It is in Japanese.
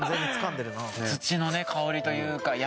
土の香りというか。